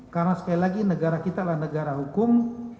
karena sekali lagi negara kita adalah negara hukum